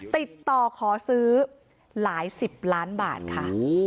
ติดต่อขอซื้อหลายสิบล้านบาทค่ะ